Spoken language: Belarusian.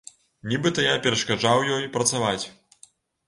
Нібыта я перашкаджаў ёй працаваць.